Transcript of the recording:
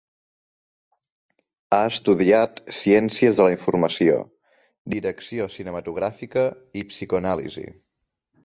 Ha estudiat ciències de la informació, direcció cinematogràfica i psicoanàlisi.